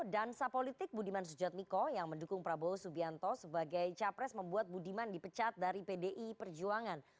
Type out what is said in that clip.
dansa politik budiman sujatmiko yang mendukung prabowo subianto sebagai capres membuat budiman dipecat dari pdi perjuangan